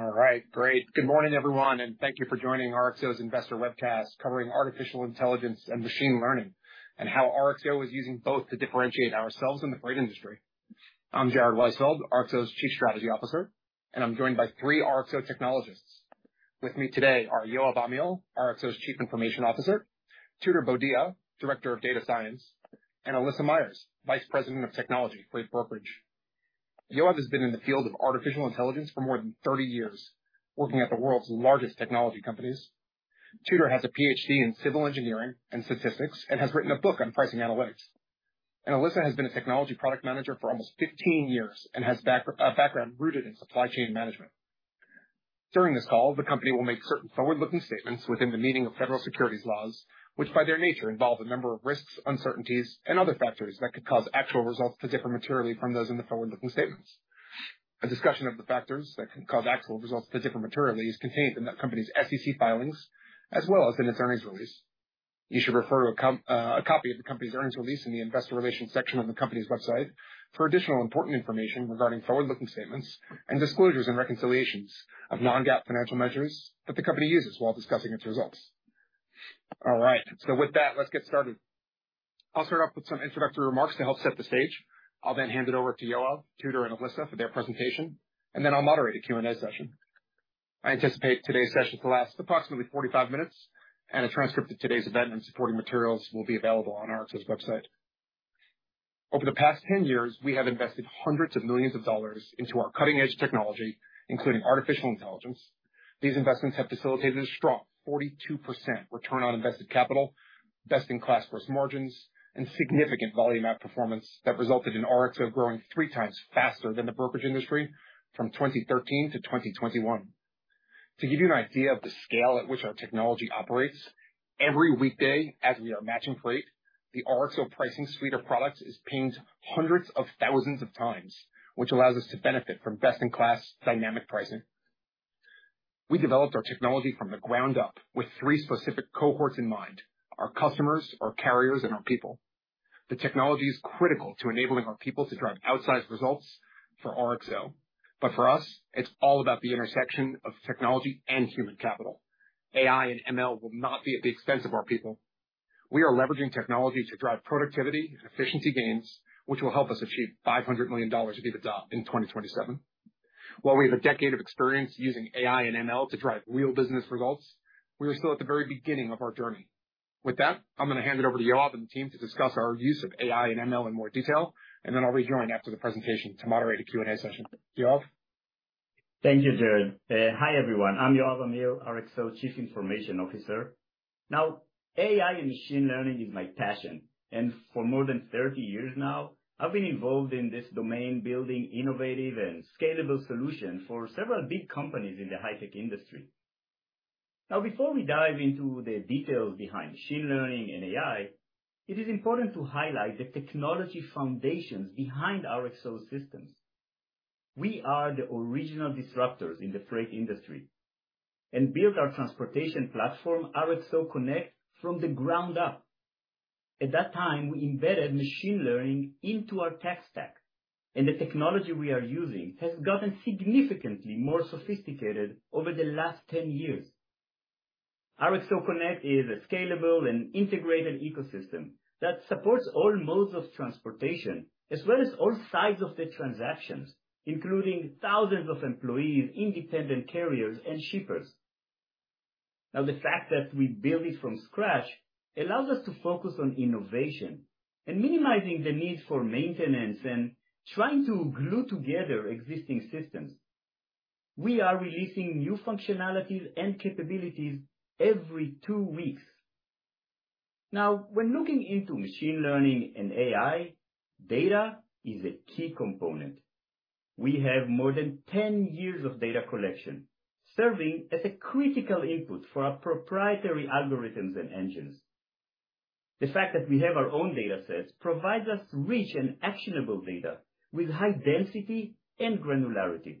All right, great. Good morning, everyone, and thank you for joining RXO's investor webcast covering artificial intelligence and machine learning, and how RXO is using both to differentiate ourselves in the freight industry. I'm Jared Weisfeld, RXO's Chief Strategy Officer, and I'm joined by three RXO technologists. With me today are Yoav Amiel, RXO's Chief Information Officer, Tudor Bodea, Director of Data Science, and Alyssa Myers, Vice President of Technology, Freight Brokerage. Yoav has been in the field of artificial intelligence for more than 30 years, working at the world's largest technology companies. Tudor has a PhD in Civil Engineering and Statistics and has written a book on pricing analytics. Alyssa has been a technology product manager for almost 15 years and has a background rooted in supply chain management. During this call, the company will make certain forward-looking statements within the meaning of federal securities laws, which, by their nature, involve a number of risks, uncertainties, and other factors that could cause actual results to differ materially from those in the forward-looking statements. A discussion of the factors that can cause actual results to differ materially is contained in the company's SEC filings, as well as in its earnings release. You should refer to a copy of the company's earnings release in the investor relations section of the company's website for additional important information regarding forward-looking statements and disclosures and reconciliations of non-GAAP financial measures that the company uses while discussing its results. All right, with that, let's get started. I'll start off with some introductory remarks to help set the stage. I'll hand it over to Yoav, Tudor, and Alyssa for their presentation, and then I'll moderate a Q&A session. I anticipate today's session to last approximately 45 minutes, and a transcript of today's event and supporting materials will be available on RXO's website. Over the past 10 years, we have invested hundreds of millions of dollars into our cutting-edge technology, including artificial intelligence. These investments have facilitated a strong 42% return on invested capital, best-in-class gross margins, and significant volume outperformance that resulted in RXO growing 3x faster than the brokerage industry from 2013-2021. To give you an idea of the scale at which our technology operates, every weekday, as we are matching freight, the RXO pricing suite of products is pinged hundreds of thousands of times, which allows us to benefit from best-in-class dynamic pricing. We developed our technology from the ground up with three specific cohorts in mind: our customers, our carriers, and our people. The technology is critical to enabling our people to drive outsized results for RXO. For us, it's all about the intersection of technology and human capital. AI and ML will not be at the expense of our people. We are leveraging technology to drive productivity and efficiency gains, which will help us achieve $500 million of EBITDA in 2027. While we have a decade of experience using AI and ML to drive real business results, we are still at the very beginning of our journey. With that, I'm going to hand it over to Yoav and the team to discuss our use of AI and ML in more detail, and then I'll rejoin after the presentation to moderate a Q&A session. Yoav? Thank you, Jared. Hi, everyone. I'm Yoav Amiel, RXO's Chief Information Officer. Now, AI and machine learning is my passion, and for more than 30 years now, I've been involved in this domain, building innovative and scalable solutions for several big companies in the high-tech industry. Now, before we dive into the details behind machine learning and AI, it is important to highlight the technology foundations behind RXO's systems. We are the original disruptors in the freight industry and built our transportation platform, RXO Connect, from the ground up. At that time, we embedded machine learning into our tech stack, and the technology we are using has gotten significantly more sophisticated over the last 10 years. RXO Connect is a scalable and integrated ecosystem that supports all modes of transportation, as well as all sides of the transactions, including thousands of employees, independent carriers, and shippers. Now, the fact that we built it from scratch allows us to focus on innovation and minimizing the needs for maintenance and trying to glue together existing systems. We are releasing new functionalities and capabilities every two weeks. Now, when looking into machine learning and AI, data is a key component. We have more than 10 years of data collection, serving as a critical input for our proprietary algorithms and engines. The fact that we have our own data sets provides us rich and actionable data with high density and granularity.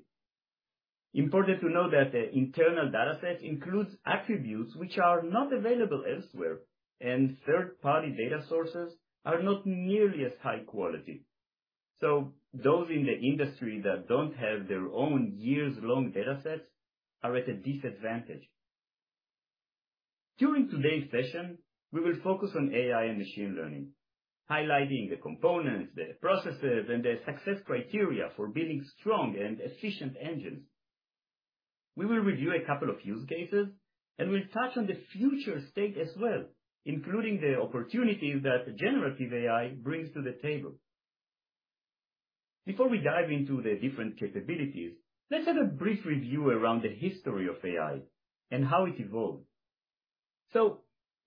Important to know that the internal data set includes attributes which are not available elsewhere, and third-party data sources are not nearly as high quality. Those in the industry that don't have their own years-long data sets are at a disadvantage. During today's session, we will focus on AI and machine learning, highlighting the components, the processes, and the success criteria for building strong and efficient engines. We will review a couple of use cases, and we'll touch on the future state as well, including the opportunities that Generative AI brings to the table. Before we dive into the different capabilities, let's have a brief review around the history of AI and how it evolved.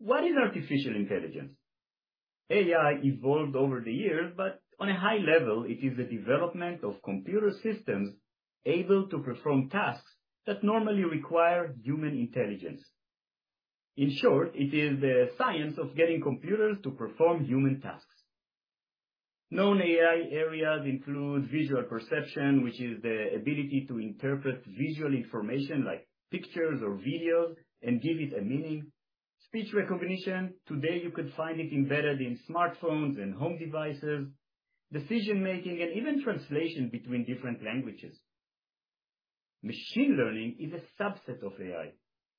What is artificial intelligence? AI evolved over the years, but on a high level, it is the development of computer systems able to perform tasks that normally require human intelligence. In short, it is the science of getting computers to perform human tasks. Known AI areas include visual perception, which is the ability to interpret visual information like pictures or videos and give it a meaning. Speech recognition, today, you could find it embedded in smartphones and home devices, decision making, and even translation between different languages. Machine learning is a subset of AI.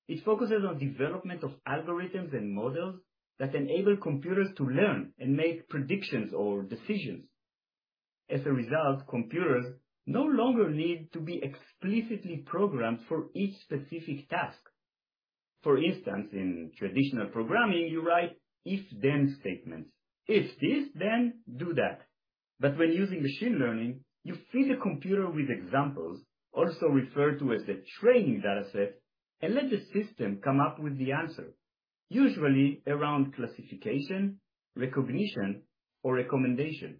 It focuses on development of algorithms and models that enable computers to learn and make predictions or decisions. As a result, computers no longer need to be explicitly programmed for each specific task. For instance, in traditional programming, you write if, then statements. If this, then do that. When using machine learning, you feed a computer with examples, also referred to as the training dataset, and let the system come up with the answer, usually around classification, recognition, or recommendation.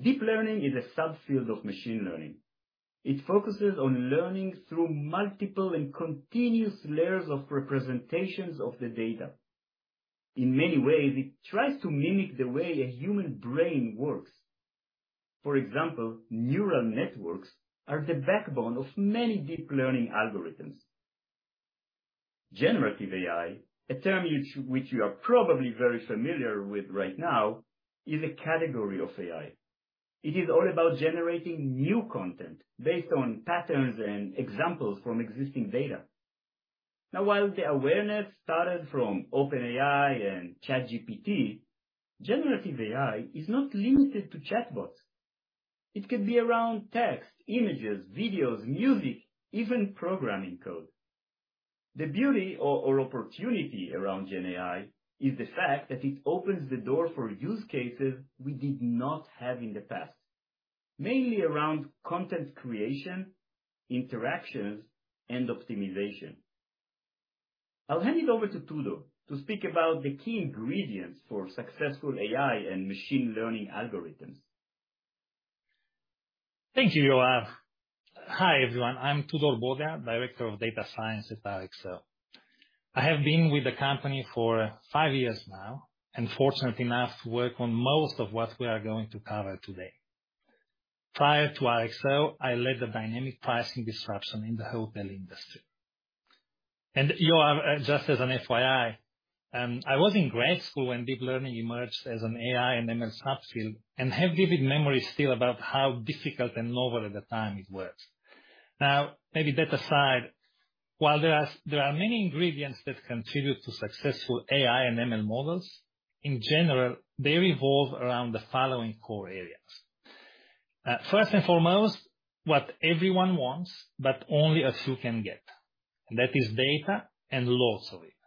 Deep learning is a subfield of machine learning. It focuses on learning through multiple and continuous layers of representations of the data. In many ways, it tries to mimic the way a human brain works. For example, neural networks are the backbone of many deep learning algorithms. Generative AI, a term which you are probably very familiar with right now, is a category of AI. It is all about generating new content based on patterns and examples from existing data. While the awareness started from OpenAI and ChatGPT, Generative AI is not limited to chatbots. It could be around text, images, videos, music, even programming code. The beauty or opportunity around GenAI is the fact that it opens the door for use cases we did not have in the past, mainly around content creation, interactions, and optimization. I'll hand it over to Tudor to speak about the key ingredients for successful AI and machine learning algorithms. Thank you, Yoav. Hi, everyone, I'm Tudor Bodea, Director of Data Science at RXO. I have been with the company for five years now, and fortunate enough to work on most of what we are going to cover today. Prior to RXO, I led the dynamic pricing disruption in the hotel industry. Yoav, just as an FYI, I was in grad school when deep learning emerged as an AI and ML subfield, and have vivid memories still about how difficult and novel at the time it was. Now, maybe that aside, while there are many ingredients that contribute to successful AI and ML models, in general, they revolve around the following core areas. First and foremost, what everyone wants, but only a few can get, and that is data, and lots of it.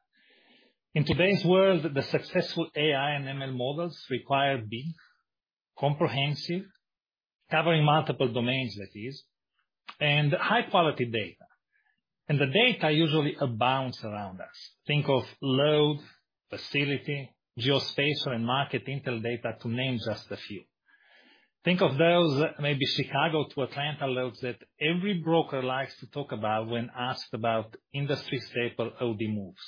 In today's world, the successful AI and ML models require big, comprehensive, covering multiple domains that is, and high-quality data, and the data usually abounds around us. Think of load, facility, geospatial and market intel data, to name just a few. Think of those, maybe Chicago to Atlanta loads, that every broker likes to talk about when asked about industry staple O/D moves.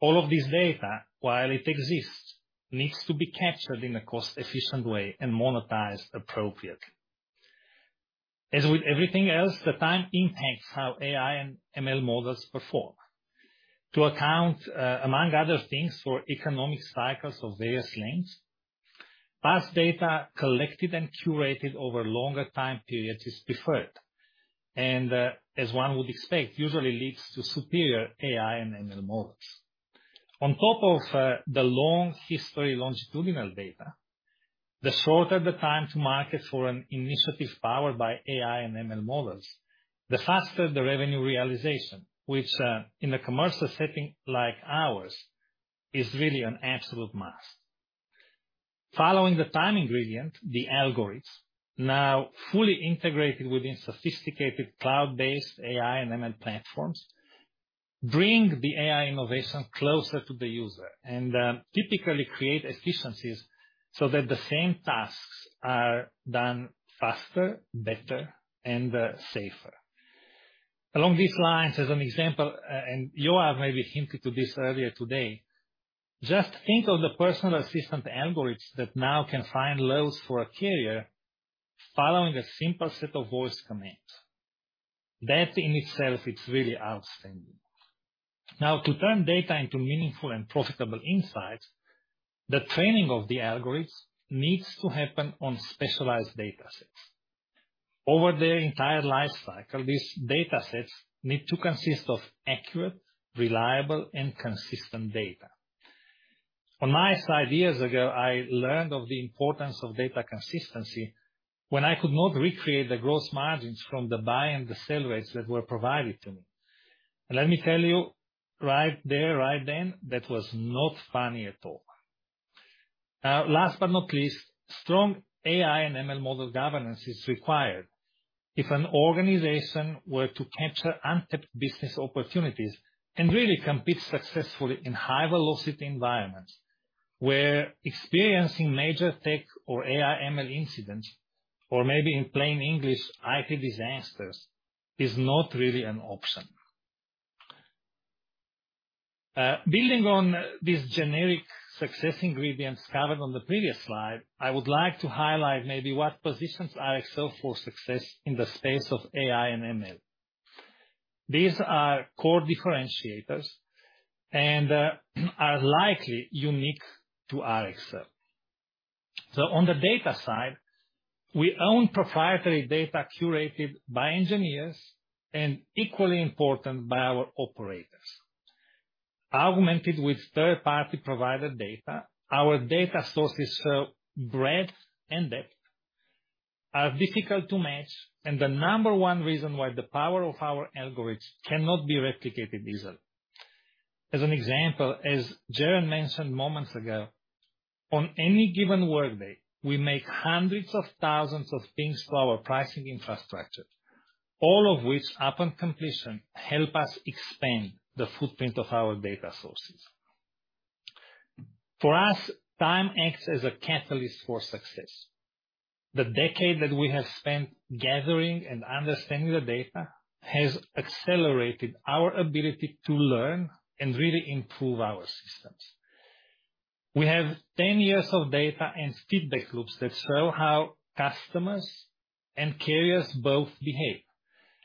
All of this data, while it exists, needs to be captured in a cost-efficient way and monetized appropriately. As with everything else, the time impacts how AI and ML models perform. To account, among other things, for economic cycles of various lengths, past data collected and curated over longer time periods is preferred, and, as one would expect, usually leads to superior AI and ML models. On top of the long history longitudinal data, the shorter the time to market for an initiative powered by AI and ML models, the faster the revenue realization, which, in a commercial setting like ours, is really an absolute must. Following the time ingredient, the algorithms, now fully integrated within sophisticated cloud-based AI and ML platforms, bring the AI innovation closer to the user, and typically create efficiencies so that the same tasks are done faster, better, and safer. Along these lines, as an example, and Yoav maybe hinted to this earlier today, just think of the personal assistant algorithms that now can find loads for a carrier following a simple set of voice commands. That, in itself, is really outstanding. Now, to turn data into meaningful and profitable insights, the training of the algorithms needs to happen on specialized datasets. Over their entire life cycle, these datasets need to consist of accurate, reliable, and consistent data. On my side, years ago, I learned of the importance of data consistency when I could not recreate the gross margins from the buy and the sell rates that were provided to me. Let me tell you, right there, right then, that was not funny at all. Last but not least, strong AI and ML model governance is required if an organization were to capture untapped business opportunities and really compete successfully in high-velocity environments, where experiencing major tech or AI/ML incidents, or maybe in plain English, IT disasters, is not really an option. Building on these generic success ingredients covered on the previous slide, I would like to highlight maybe what positions RXO for success in the space of AI and ML. These are core differentiators and are likely unique to RXO. On the data side, we own proprietary data curated by engineers and equally important, by our operators. Augmented with third-party provider data, our data sources' breadth and depth are difficult to match, and the number one reason why the power of our algorithms cannot be replicated easily. As an example, as Jared mentioned moments ago, on any given workday, we make hundreds of thousands of pins to our pricing infrastructure, all of which, upon completion, help us expand the footprint of our data sources. For us, time acts as a catalyst for success. The decade that we have spent gathering and understanding the data has accelerated our ability to learn and really improve our systems. We have 10 years of data and feedback loops that show how customers and carriers both behave,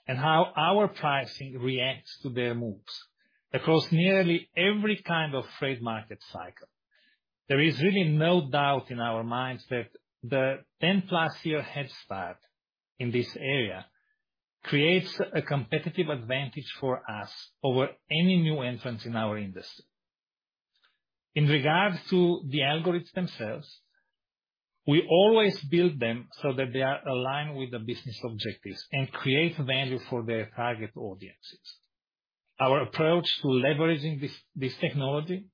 and how our pricing reacts to their moves across nearly every kind of freight market cycle. There is really no doubt in our minds that the 10+ year head start in this area creates a competitive advantage for us over any new entrants in our industry. In regards to the algorithms themselves, we always build them so that they are aligned with the business objectives and create value for their target audiences. Our approach to leveraging this technology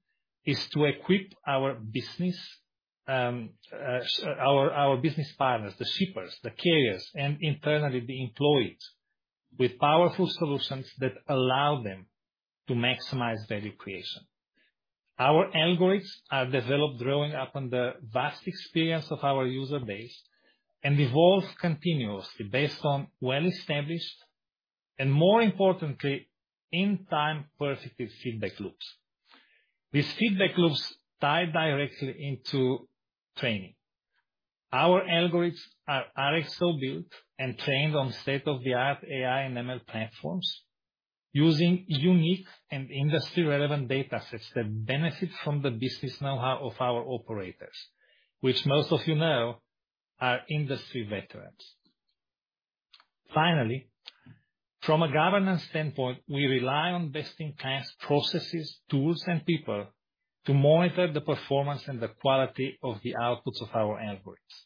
is to equip our business partners, the shippers, the carriers, and internally, the employees, with powerful solutions that allow them to maximize value creation. Our algorithms are developed drawing upon the vast experience of our user base and evolve continuously based on well-established, and more importantly, in-time perspective feedback loops. These feedback loops tie directly into training. Our algorithms are RXO built and trained on state-of-the-art AI and ML platforms, using unique and industry-relevant data sets that benefit from the business know-how of our operators, which most of you know are industry veterans. Finally, from a governance standpoint, we rely on best-in-class processes, tools, and people to monitor the performance and the quality of the outputs of our algorithms.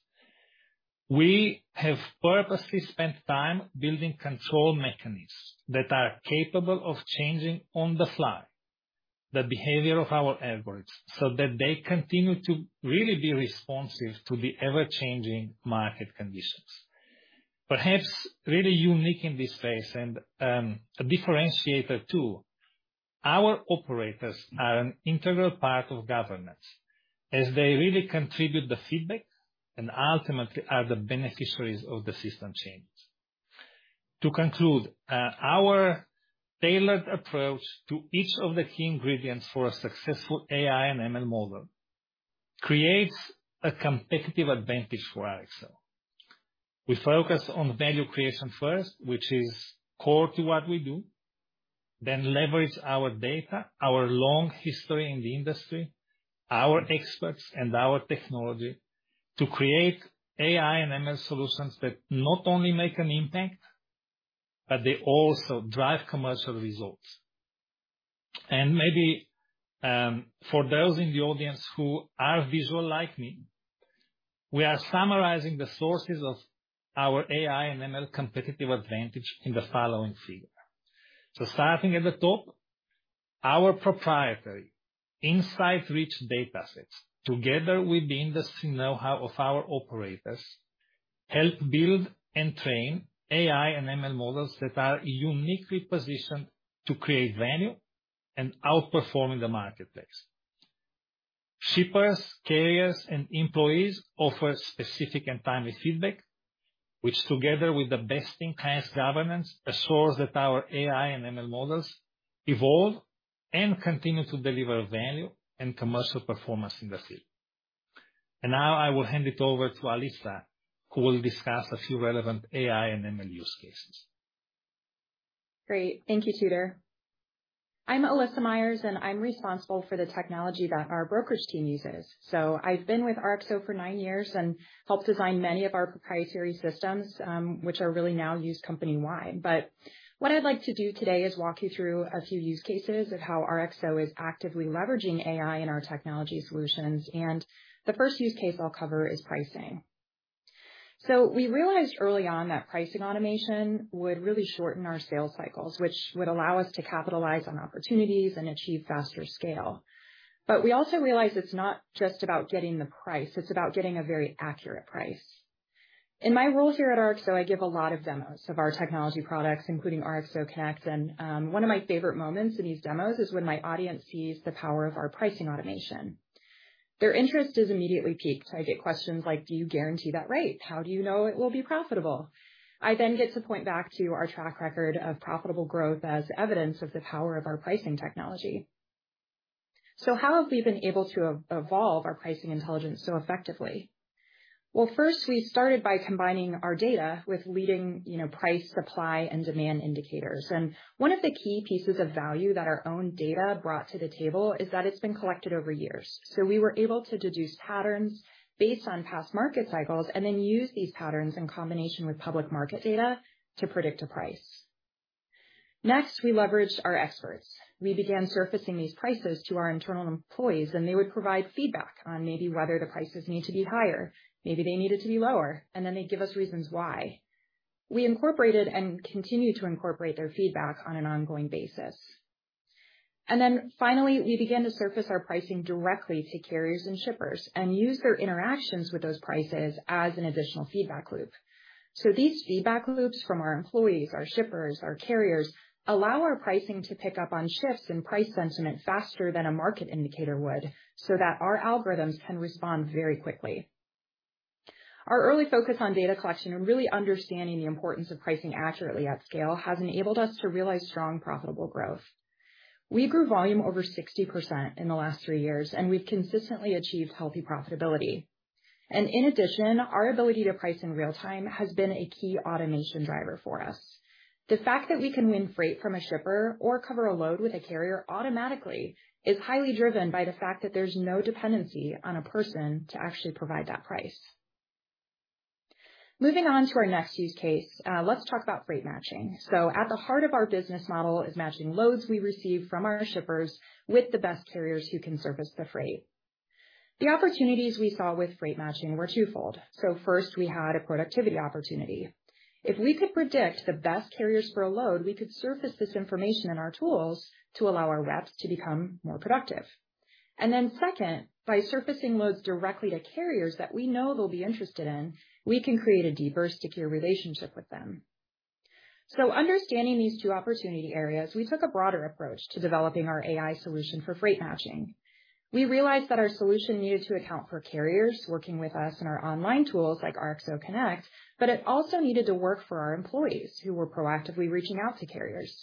We have purposely spent time building control mechanisms that are capable of changing on the fly, the behavior of our algorithms, so that they continue to really be responsive to the ever-changing market conditions. Perhaps really unique in this space and, a differentiator, too, our operators are an integral part of governance as they really contribute the feedback and ultimately are the beneficiaries of the system changes. To conclude, our tailored approach to each of the key ingredients for a successful AI and ML model creates a competitive advantage for RXO. We focus on value creation first, which is core to what we do, then leverage our data, our long history in the industry, our experts, and our technology to create AI and ML solutions that not only make an impact, but they also drive commercial results. Maybe, for those in the audience who are visual like me, we are summarizing the sources of our AI and ML competitive advantage in the following figure. Starting at the top, our proprietary, insight-rich data sets, together with the industry know-how of our operators, help build and train AI and ML models that are uniquely positioned to create value and outperform in the marketplace. Shippers, carriers, and employees offer specific and timely feedback, which together with the best-in-class governance, assures that our AI and ML models evolve and continue to deliver value and commercial performance in the field. Now I will hand it over to Alyssa, who will discuss a few relevant AI and ML use cases. Great. Thank you, Tudor. I'm Alyssa Myers, I'm responsible for the technology that our brokers team uses. I've been with RXO for nine years and helped design many of our proprietary systems, which are really now used company-wide. What I'd like to do today is walk you through a few use cases of how RXO is actively leveraging AI in our technology solutions, and the first use case I'll cover is pricing. We realized early on that pricing automation would really shorten our sales cycles, which would allow us to capitalize on opportunities and achieve faster scale. We also realized it's not just about getting the price, it's about getting a very accurate price. In my role here at RXO, I give a lot of demos of our technology products, including RXO Connect, and one of my favorite moments in these demos is when my audience sees the power of our pricing automation. Their interest is immediately piqued. I get questions like: "Do you guarantee that rate? How do you know it will be profitable?" I get to point back to our track record of profitable growth as evidence of the power of our pricing technology. How have we been able to evolve our pricing intelligence so effectively? Well, first, we started by combining our data with leading, you know, price, supply, and demand indicators. One of the key pieces of value that our own data brought to the table is that it's been collected over years. We were able to deduce patterns based on past market cycles and then use these patterns in combination with public market data to predict a price. Next, we leveraged our experts. We began surfacing these prices to our internal employees, and they would provide feedback on maybe whether the prices need to be higher, maybe they needed to be lower, and then they'd give us reasons why. We incorporated and continue to incorporate their feedback on an ongoing basis. Finally, we began to surface our pricing directly to carriers and shippers and use their interactions with those prices as an additional feedback loop. These feedback loops from our employees, our shippers, our carriers, allow our pricing to pick up on shifts in price sentiment faster than a market indicator would, so that our algorithms can respond very quickly. Our early focus on data collection and really understanding the importance of pricing accurately at scale has enabled us to realize strong, profitable growth. We grew volume over 60% in the last 3 years, and we've consistently achieved healthy profitability. In addition, our ability to price in real time has been a key automation driver for us. The fact that we can win freight from a shipper or cover a load with a carrier automatically is highly driven by the fact that there's no dependency on a person to actually provide that price. Moving on to our next use case, let's talk about freight matching. At the heart of our business model is matching loads we receive from our shippers with the best carriers who can service the freight. The opportunities we saw with freight matching were twofold. First, we had a productivity opportunity. If we could predict the best carriers for a load, we could surface this information in our tools to allow our reps to become more productive. Second, by surfacing loads directly to carriers that we know they'll be interested in, we can create a deeper, stickier relationship with them. Understanding these two opportunity areas, we took a broader approach to developing our AI solution for freight matching. We realized that our solution needed to account for carriers working with us in our online tools like RXO Connect, but it also needed to work for our employees, who were proactively reaching out to carriers.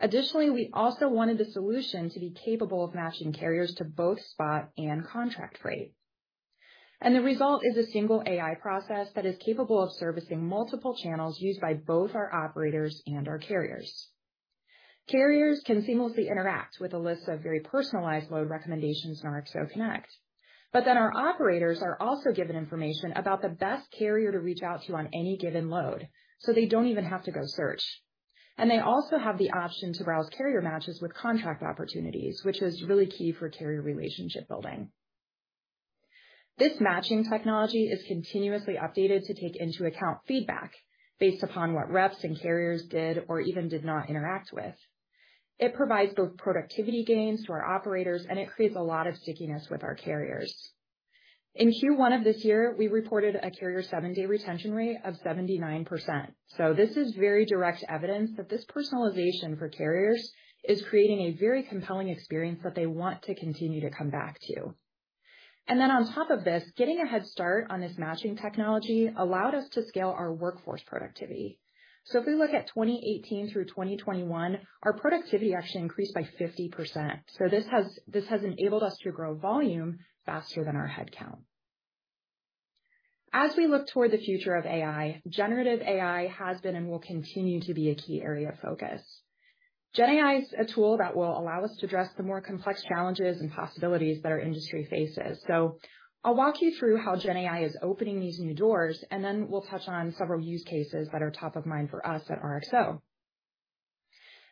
Additionally, we also wanted the solution to be capable of matching carriers to both spot and contract freight. The result is a single AI process that is capable of servicing multiple channels used by both our operators and our carriers. Carriers can seamlessly interact with a list of very personalized load recommendations in RXO Connect, but then our operators are also given information about the best carrier to reach out to on any given load, so they don't even have to go search. They also have the option to browse carrier matches with contract opportunities, which is really key for carrier relationship building. This matching technology is continuously updated to take into account feedback based upon what reps and carriers did or even did not interact with. It provides both productivity gains to our operators, and it creates a lot of stickiness with our carriers. In Q1 of this year, we reported a carrier seven day retention rate of 79%. This is very direct evidence that this personalization for carriers is creating a very compelling experience that they want to continue to come back to. On top of this, getting a head start on this matching technology allowed us to scale our workforce productivity. If we look at 2018 through 2021, our productivity actually increased by 50%. This has enabled us to grow volume faster than our headcount. As we look toward the future of AI, Generative AI has been, and will continue to be, a key area of focus. GenAI is a tool that will allow us to address the more complex challenges and possibilities that our industry faces. I'll walk you through how GenAI is opening these new doors, and then we'll touch on several use cases that are top of mind for us at RXO.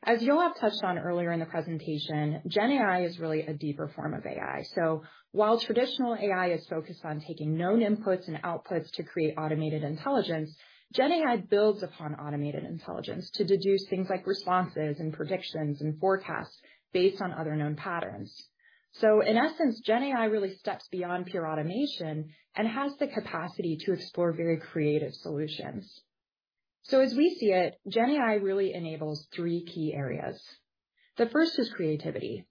As Yoav touched on earlier in the presentation, GenAI is really a deeper form of AI. While traditional AI is focused on taking known inputs and outputs to create automated intelligence, GenAI builds upon automated intelligence to deduce things like responses and predictions and forecasts based on other known patterns. In essence, GenAI really steps beyond pure automation and has the capacity to explore very creative solutions. As we see it, GenAI really enables three key areas. The first is creativity.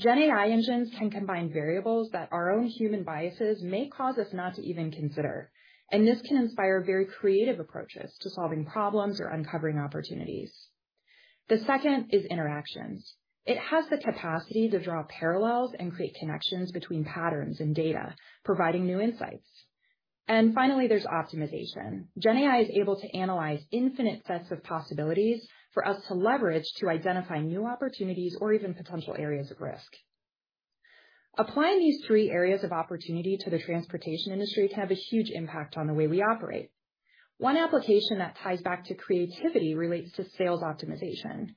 GenAI engines can combine variables that our own human biases may cause us not to even consider, and this can inspire very creative approaches to solving problems or uncovering opportunities. The second is interactions. It has the capacity to draw parallels and create connections between patterns and data, providing new insights. Finally, there's optimization. GenAI is able to analyze infinite sets of possibilities for us to leverage to identify new opportunities or even potential areas of risk. Applying these three areas of opportunity to the transportation industry can have a huge impact on the way we operate. One application that ties back to creativity relates to sales optimization.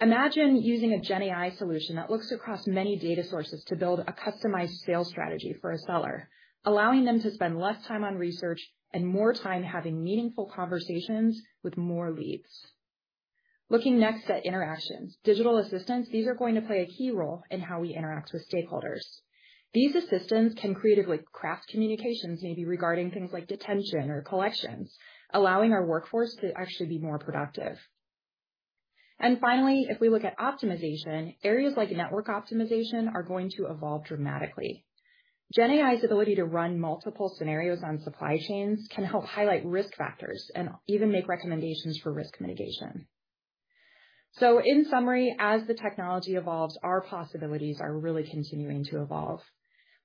Imagine using a GenAI solution that looks across many data sources to build a customized sales strategy for a seller, allowing them to spend less time on research and more time having meaningful conversations with more leads. Looking next at interactions. Digital assistants, these are going to play a key role in how we interact with stakeholders. These assistants can creatively craft communications, maybe regarding things like detention or collections, allowing our workforce to actually be more productive. Finally, if we look at optimization, areas like network optimization are going to evolve dramatically. Gen AI's ability to run multiple scenarios on supply chains can help highlight risk factors and even make recommendations for risk mitigation. In summary, as the technology evolves, our possibilities are really continuing to evolve.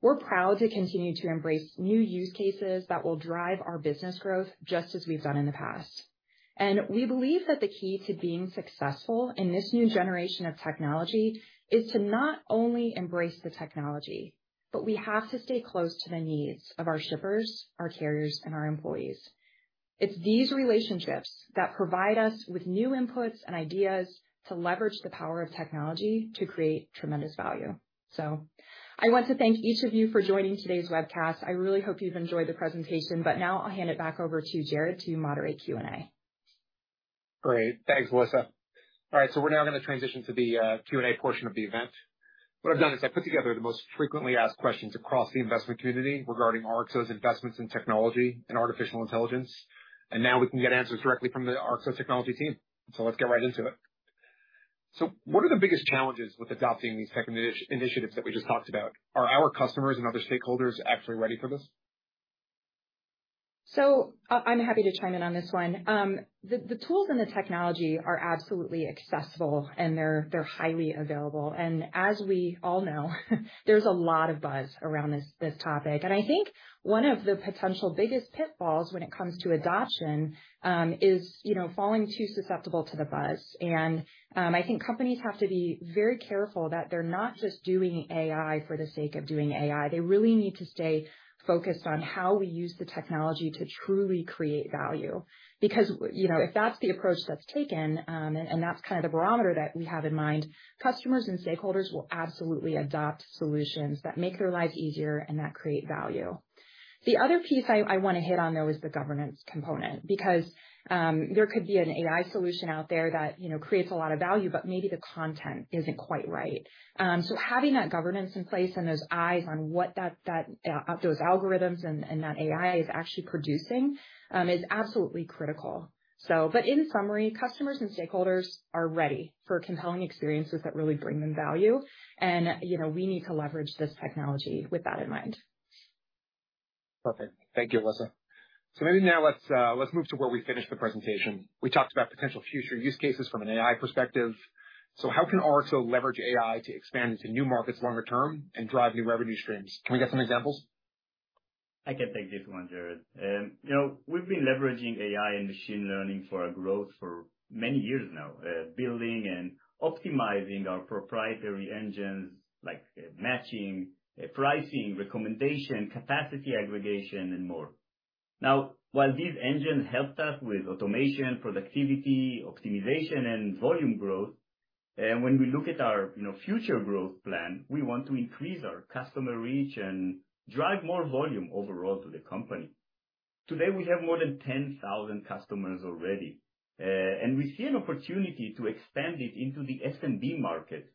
We're proud to continue to embrace new use cases that will drive our business growth, just as we've done in the past. We believe that the key to being successful in this new generation of technology is to not only embrace the technology, but we have to stay close to the needs of our shippers, our carriers, and our employees. It's these relationships that provide us with new inputs and ideas to leverage the power of technology to create tremendous value. I want to thank each of you for joining today's webcast. I really hope you've enjoyed the presentation. Now I'll hand it back over to Jared to moderate Q&A. Great. Thanks, Alyssa. All right, we're now going to transition to the Q&A portion of the event. What I've done is I've put together the most frequently asked questions across the investment community regarding RXO's investments in technology and artificial intelligence. Now we can get answers directly from the RXO technology team. Let's get right into it. What are the biggest challenges with adopting these tech initiatives that we just talked about? Are our customers and other stakeholders actually ready for this? I'm happy to chime in on this one. The tools and the technology are absolutely accessible, and they're highly available. As we all know, there's a lot of buzz around this topic. I think one of the potential biggest pitfalls when it comes to adoption is, you know, falling too susceptible to the buzz. I think companies have to be very careful that they're not just doing AI for the sake of doing AI. They really need to stay focused on how we use the technology to truly create value. You know, if that's the approach that's taken, and that's kind of the barometer that we have in mind, customers and stakeholders will absolutely adopt solutions that make their lives easier and that create value. The other piece I want to hit on, though, is the governance component, because there could be an AI solution out there that, you know, creates a lot of value, but maybe the content isn't quite right. Having that governance in place and those eyes on what that those algorithms and that AI is actually producing, is absolutely critical. In summary, customers and stakeholders are ready for compelling experiences that really bring them value. You know, we need to leverage this technology with that in mind. Perfect. Thank you, Ayssa. Maybe now let's move to where we finished the presentation. We talked about potential future use cases from an AI perspective. How can RXO leverage AI to expand into new markets longer term and drive new revenue streams? Can we get some examples? I can take this one, Jared. You know, we've been leveraging AI and machine learning for our growth for many years now, building and optimizing our proprietary engines like matching, pricing, recommendation, capacity aggregation, and more. Now, while these engines helped us with automation, productivity, optimization, and volume growth, when we look at our, you know, future growth plan, we want to increase our customer reach and drive more volume overall to the company. Today, we have more than 10,000 customers already, and we see an opportunity to expand it into the SMB market.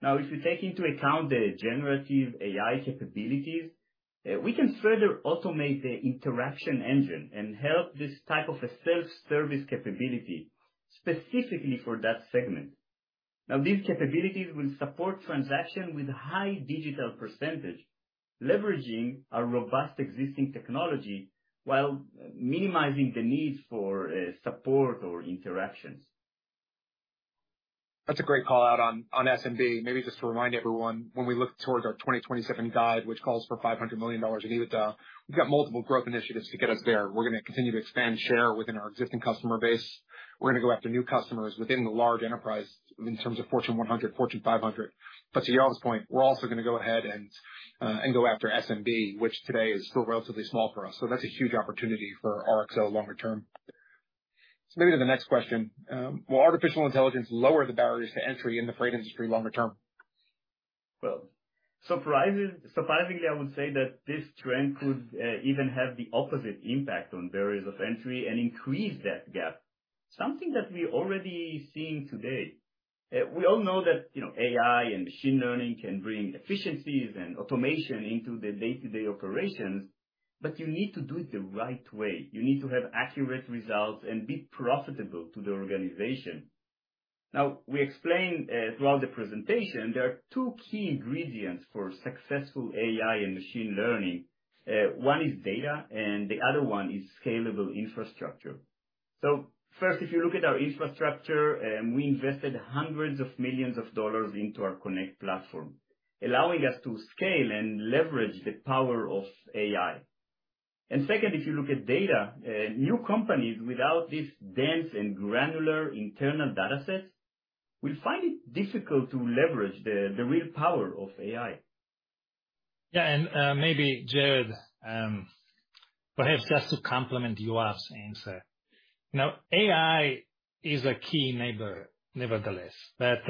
Now, if you take into account the Generative AI capabilities, we can further automate the interaction engine and help this type of a self-service capability specifically for that segment. These capabilities will support transaction with high digital percentage, leveraging our robust existing technology while minimizing the need for support or interactions. That's a great call-out on SMB. Maybe just to remind everyone, when we look towards our 2027 guide, which calls for $500 million in EBITDA, we've got multiple growth initiatives to get us there. We're going to continue to expand share within our existing customer base. We're going to go after new customers within the large enterprise in terms of Fortune 100, Fortune 500. To Yoav's point, we're also going to go ahead and go after SMB, which today is still relatively small for us. That's a huge opportunity for RXO longer term. Maybe to the next question, will artificial intelligence lower the barriers to entry in the freight industry longer term? Surprisingly, I would say that this trend could even have the opposite impact on barriers of entry and increase that gap, something that we already seeing today. We all know that, you know, AI and machine learning can bring efficiencies and automation into the day-to-day operations, but you need to do it the right way. You need to have accurate results and be profitable to the organization. We explained throughout the presentation, there are two key ingredients for successful AI and machine learning. One is data, and the other one is scalable infrastructure. First, if you look at our infrastructure, we invested hundreds of millions of dollars into our Connect platform, allowing us to scale and leverage the power of AI. Second, if you look at data, new companies without this dense and granular internal data set, will find it difficult to leverage the real power of AI. Yeah, maybe, Jared, perhaps just to complement Yoav's answer. Now, AI is a key enabler, nevertheless, but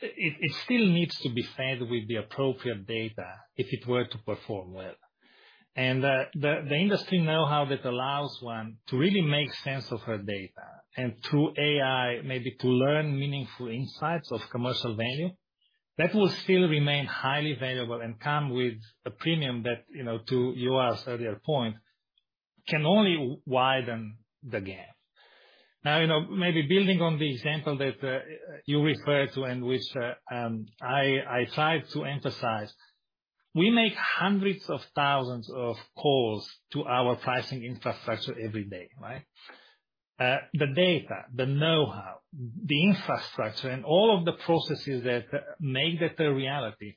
it still needs to be fed with the appropriate data if it were to perform well. The industry know-how that allows one to really make sense of her data, and through AI, maybe to learn meaningful insights of commercial value, that will still remain highly valuable and come with a premium that, you know, to Yoav's earlier point, can only widen the gap. Now, you know, maybe building on the example that you referred to and which I tried to emphasize. We make hundreds of thousands of calls to our pricing infrastructure every day, right? The data, the know-how, the infrastructure, and all of the processes that make that a reality,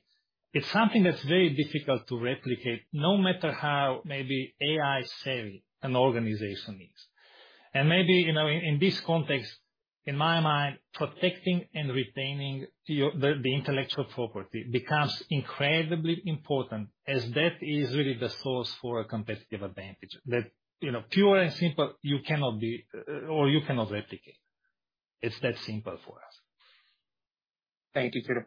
it's something that's very difficult to replicate, no matter how maybe AI savvy an organization is. Maybe, you know, in this context, in my mind, protecting and retaining the intellectual property becomes incredibly important, as that is really the source for a competitive advantage. That, you know, pure and simple, you cannot be, or you cannot replicate. It's that simple for us. Thank you, Tudor.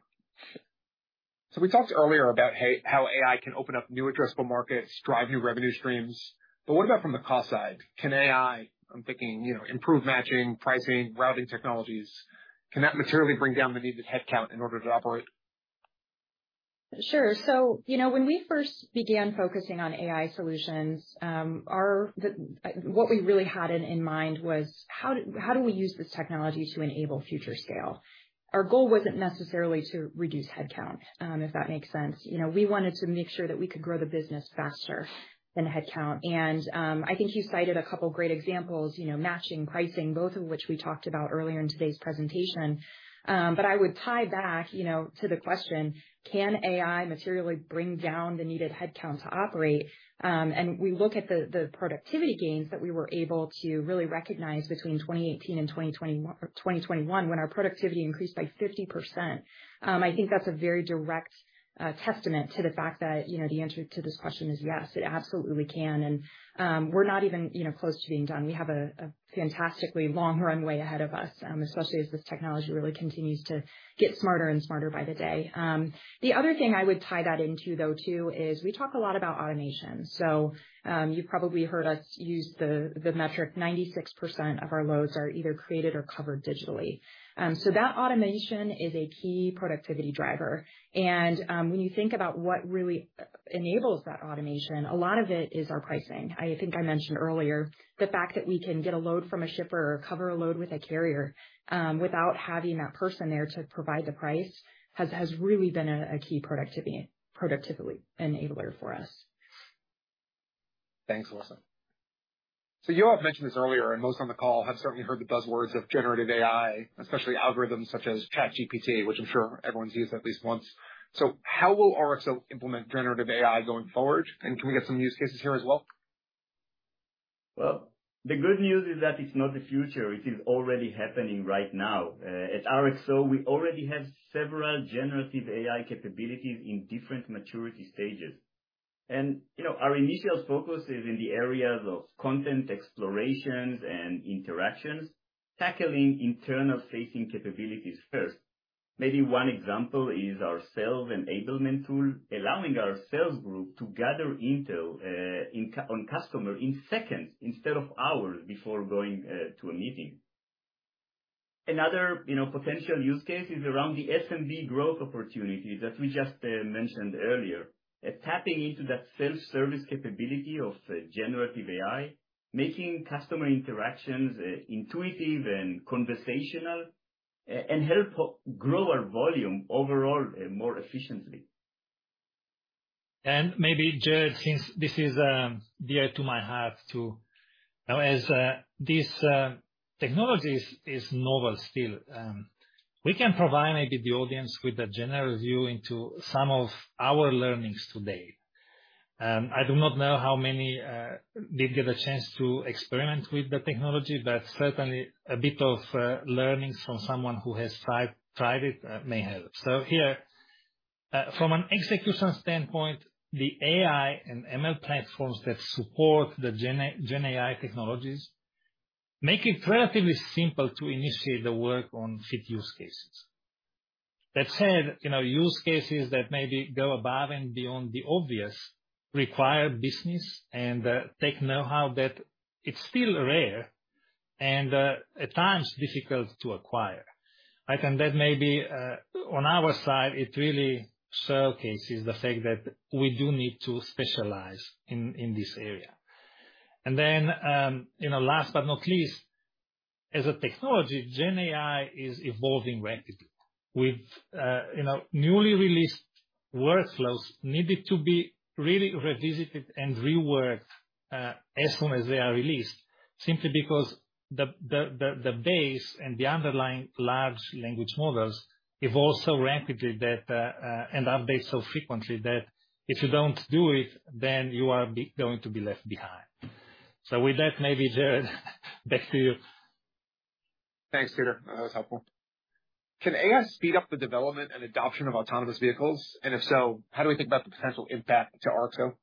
We talked earlier about hey, how AI can open up new addressable markets, drive new revenue streams, but what about from the cost side? Can AI, I'm thinking, you know, improve matching, pricing, routing technologies, can that materially bring down the needed headcount in order to operate? Sure. You know, when we first began focusing on AI solutions, what we really had in mind was, how do we use this technology to enable future scale? Our goal wasn't necessarily to reduce headcount, if that makes sense. You know, we wanted to make sure that we could grow the business faster than headcount. I think you cited a couple great examples, you know, matching, pricing, both of which we talked about earlier in today's presentation. I would tie back, you know, to the question, can AI materially bring down the needed headcount to operate? We look at the productivity gains that we were able to really recognize between 2018 and 2021, when our productivity increased by 50%. I think that's a very direct testament to the fact that, you know, the answer to this question is yes, it absolutely can. We're not even, you know, close to being done. We have a fantastically long runway ahead of us, especially as this technology really continues to get smarter and smarter by the day. The other thing I would tie that into, though, too, is we talk a lot about automation. You've probably heard us use the metric 96% of our loads are either created or covered digitally. That automation is a key productivity driver. When you think about what really enables that automation, a lot of it is our pricing. I think I mentioned earlier, the fact that we can get a load from a shipper or cover a load with a carrier, without having that person there to provide the price, has really been a key productivity enabler for us. Thanks, Ayssa. Yoav mentioned this earlier, and most on the call have certainly heard the buzzwords of Generative AI, especially algorithms such as ChatGPT, which I'm sure everyone's used at least once. How will RXO implement Generative AI going forward? Can we get some use cases here as well? Well, the good news is that it's not the future, it is already happening right now. At RXO, we already have several Generative AI capabilities in different maturity stages. You know, our initial focus is in the areas of content explorations and interactions, tackling internal-facing capabilities first. Maybe one example is our sales enablement tool, allowing our sales group to gather intel on customer in seconds instead of hours before going to a meeting. Another, you know, potential use case is around the SMB growth opportunity that we just mentioned earlier. Tapping into that self-service capability of Generative AI, making customer interactions intuitive and conversational, and help grow our volume overall more efficiently. Maybe, Jared, since this is dear to my heart too, you know, as this technology is novel still, we can provide maybe the audience with a general view into some of our learnings today. I do not know how many did get a chance to experiment with the technology, but certainly a bit of learnings from someone who has tried it may help. Here, from an execution standpoint, the AI and ML platforms that support the gen AI technologies make it relatively simple to initiate the work on fit use cases. That said, you know, use cases that maybe go above and beyond the obvious require business and tech know-how that it's still rare and at times difficult to acquire, right? That may be on our side, it really showcases the fact that we do need to specialize in this area. Then, you know, last but not least, as a technology, GenAI is evolving rapidly with, you know, newly released workflows needing to be really revisited and reworked as soon as they are released, simply because the base and the underlying large language models evolve so rapidly that and update so frequently that if you don't do it, then you are going to be left behind. With that, maybe, Jared, back to you. Thanks, Tudor. That was helpful. Can AI speed up the development and adoption of autonomous vehicles? If so, how do we think about the potential impact to RXO?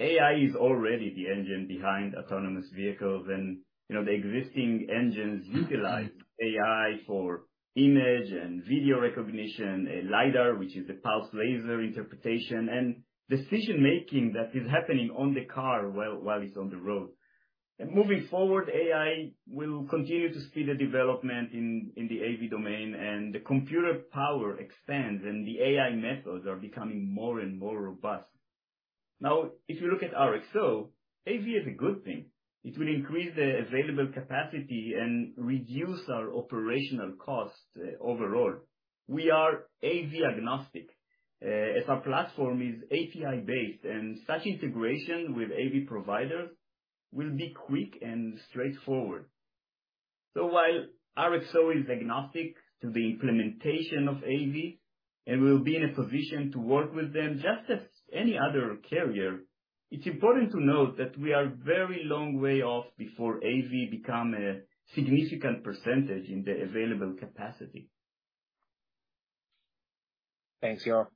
AI is already the engine behind autonomous vehicles, and, you know, the existing engines utilize AI for image and video recognition, lidar, which is the pulsed laser interpretation, and decision-making that is happening on the car while it's on the road. Moving forward, AI will continue to see the development in the AV domain, and the computer power expands, and the AI methods are becoming more and more robust. Now, if you look at RXO, AV is a good thing. It will increase the available capacity and reduce our operational costs overall. We are AV agnostic, as our platform is API based, and such integration with AV providers will be quick and straightforward. while RXO is agnostic to the implementation of AV and will be in a position to work with them, just as any other carrier, it's important to note that we are very long way off before AV become a significant percentage in the available capacity. Thanks, Yoav.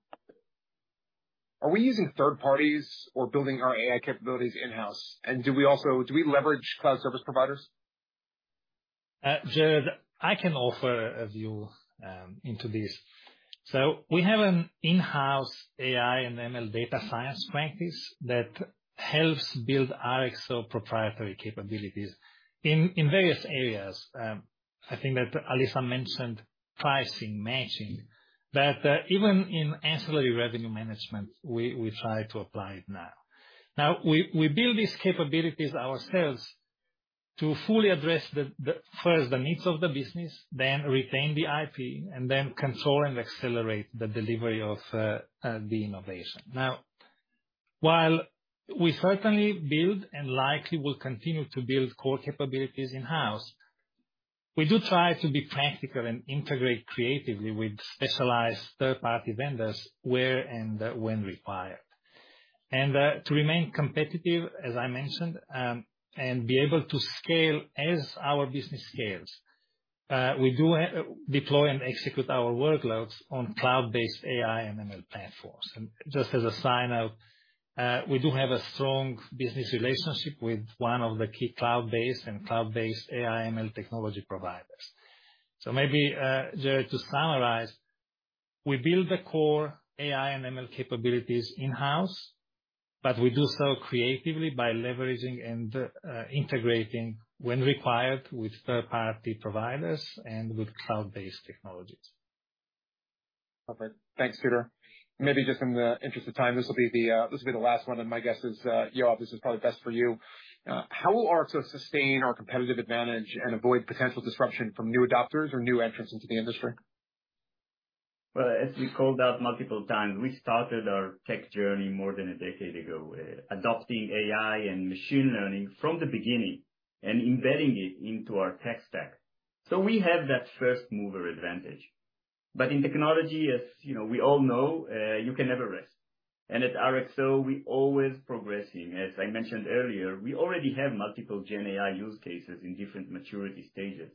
Are we using third parties or building our AI capabilities in-house? Do we leverage cloud service providers? Jared, I can offer a view into this. We have an in-house AI and ML data science practice that helps build RXO proprietary capabilities in various areas. I think that Alyssa mentioned pricing matching, but even in ancillary revenue management, we try to apply it now. We build these capabilities ourselves to fully address the first, the needs of the business, then retain the IP, and then control and accelerate the delivery of the innovation. While we certainly build and likely will continue to build core capabilities in-house, we do try to be practical and integrate creatively with specialized third-party vendors, where and when required. To remain competitive, as I mentioned, and be able to scale as our business scales, we do deploy and execute our workloads on cloud-based AI and ML platforms. Just as a sign of, we do have a strong business relationship with one of the key cloud-based and cloud-based AI ML technology providers. Maybe, Jared, to summarize, we build the core AI and ML capabilities in-house, but we do so creatively by leveraging and integrating when required, with third-party providers and with cloud-based technologies. Perfect. Thanks, Tudor. Maybe just in the interest of time, this will be the last one. My guess is, Yoav, this is probably best for you. How will RXO sustain our competitive advantage and avoid potential disruption from new adopters or new entrants into the industry? Well, as we called out multiple times, we started our tech journey more than a decade ago, adopting AI and machine learning from the beginning and embedding it into our tech stack. We have that first mover advantage. In technology, as you know, we all know, you can never rest, and at RXO, we're always progressing. As I mentioned earlier, we already have multiple GenAI use cases in different maturity stages.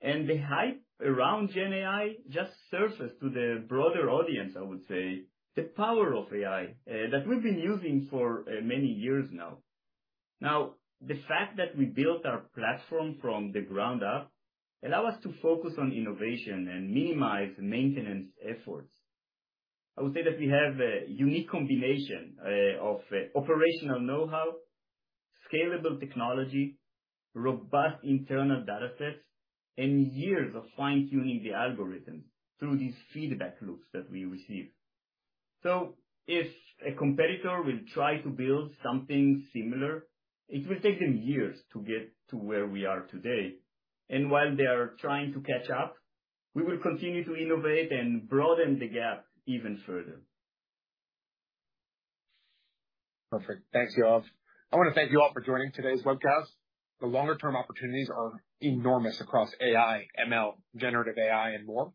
The hype around GenAI just surfaces to the broader audience, I would say, the power of AI, that we've been using for many years now. Now, the fact that we built our platform from the ground up allow us to focus on innovation and minimize maintenance efforts. I would say that we have a unique combination of operational know-how, scalable technology, robust internal data sets, and years of fine-tuning the algorithms through these feedback loops that we receive. If a competitor will try to build something similar, it will take them years to get to where we are today, and while they are trying to catch up, we will continue to innovate and broaden the gap even further. Perfect. Thanks, Yoav. I want to thank you all for joining today's webcast. The longer term opportunities are enormous across AI, ML, Generative AI, and more.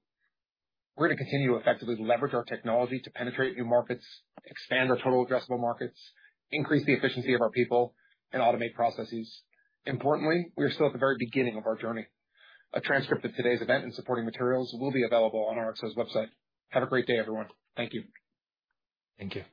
We're going to continue to effectively leverage our technology to penetrate new markets, expand our total addressable markets, increase the efficiency of our people, and automate processes. Importantly, we are still at the very beginning of our journey. A transcript of today's event and supporting materials will be available on RXO's website. Have a great day, everyone. Thank you. Thank you.